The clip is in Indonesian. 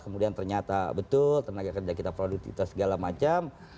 kemudian ternyata betul tenaga kerja kita produktivitas segala macam